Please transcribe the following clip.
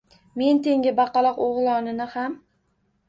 Men tengi baqaloq o’g’lonini ham.